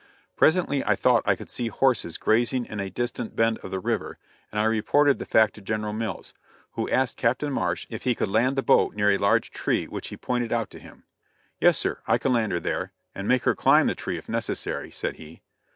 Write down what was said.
Presently I thought I could see horses grazing in a distant bend of the river and I reported the fact to General Mills, who asked Captain Marsh if he could land the boat near a large tree which he pointed out to him. [Illustration: SCOUTING ON A STEAMBOAT.] "Yes, sir; I can land her there, and make her climb the tree if necessary," said he.